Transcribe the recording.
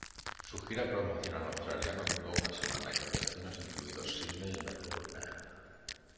Su gira promocional australiano duró una semana y los destinos incluidos Sídney y Melbourne.